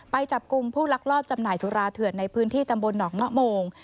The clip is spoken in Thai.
ไปจับกลุ่มผู้ลักลอบจำหน่ายสุราเถื่อนในพื้นที่ตำบลหนองมะโมง